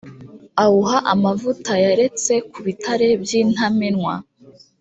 awuha amavuta yaretse ku bitare by’intamenwa.